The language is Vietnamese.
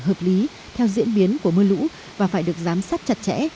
hợp lý theo diễn biến của mưa lũ và phải được giám sát chặt chẽ